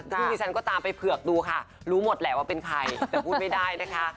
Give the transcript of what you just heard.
ซึ่งที่ฉันก็ตามไปเผือกดูค่ะรู้หมดแหละว่าเป็นใครแต่พูดไม่ได้นะคะ